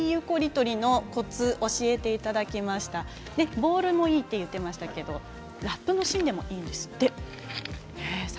ボールもいいと言っていましたけれどもラップの芯でもいいんですって。